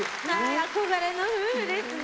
憧れの夫婦ですね。